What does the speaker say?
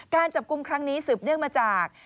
การจับกลุ่มครั้งนี้สืบเนื่องมาจาก